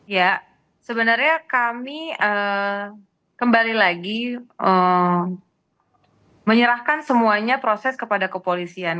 ya sebenarnya kami kembali lagi menyerahkan semuanya proses kepada kepolisian